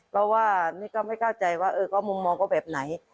เพราะว่านี่ก็ไม่เข้าใจว่าเออก็มุมมองก็แบบไหน